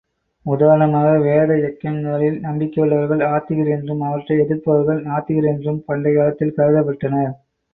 உதாரணமாக வேத யக்ஞங்களில் நம்பிக்கையுள்ளவர்கள் ஆத்திகர் என்றும், அவற்றை எதிர்ப்பவர்கள் நாத்திகர் என்றும் பண்டைக் காலத்தில் கருதப்பட்டனர்.